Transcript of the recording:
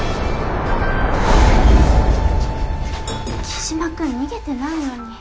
黄島君逃げてないのに。